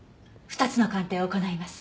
２つの鑑定を行います。